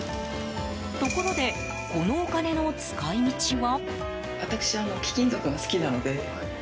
ところで、このお金の使い道は？